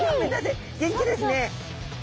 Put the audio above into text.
元気ですね！